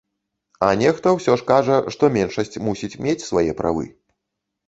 А нехта ўсё ж скажа, што меншасць мусіць мець свае правы.